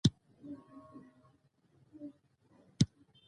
ستاسو میلمانه راځي؟